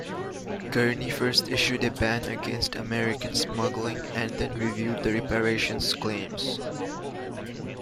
Kearny first issued a ban against American smuggling and then reviewed the reparations claims.